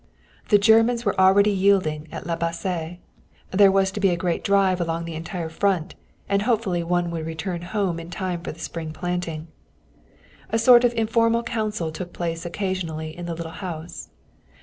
The Germans were already yielding at La Bassée. There was to be a great drive along the entire Front, and hopefully one would return home in time for the spring planting. A sort of informal council took place occasionally in the little house.